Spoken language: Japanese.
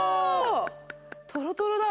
トロトロだ。